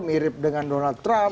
mirip dengan donald trump